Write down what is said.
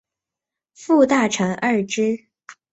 副大臣贰之。